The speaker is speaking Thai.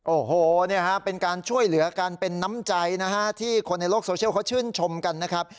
โอ้โหเป็นการช่วยเหลือกันเป็นน้ำใจนะฮะที่คนในโลกโซเชียลเขาชื่นชมกันนะครับ